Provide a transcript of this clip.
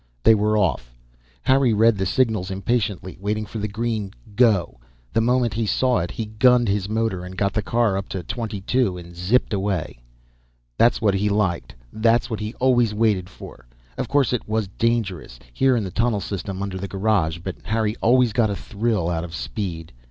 They were off. Harry read the signals impatiently, waiting for the green Go. The moment he saw it he gunned his motor and got the car up to twenty two and zipped away. That's what he liked, that's what he always waited for. Of course it was dangerous, here in the tunnel system under the garage, but Harry always got a thrill out of speed.